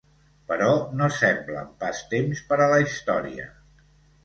Però no semblen pas temps per a la història.